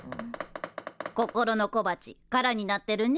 心の小鉢空になってるねえ。